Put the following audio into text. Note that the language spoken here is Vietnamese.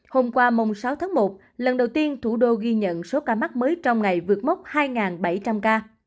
hôm qua sáu tháng một lần đầu tiên thủ đô ghi nhận số ca mắc mới trong ngày vượt mốc hai bảy trăm linh ca